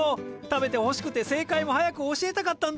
食べてほしくて正解も早く教えたかったんだよ！